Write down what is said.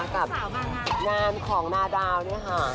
กับงานของนาดาวเนี่ยค่ะ